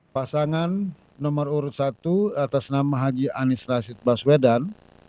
pasangan nomor urut satu atas nama haji anies rashid baswedan